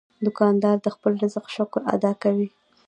دوکاندار د خپل رزق شکر ادا کوي.